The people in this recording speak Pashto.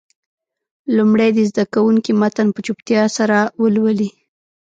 لومړی دې زده کوونکي متن په چوپتیا سره ولولي.